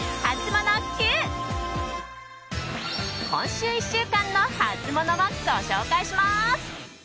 今週１週間のハツモノをご紹介します。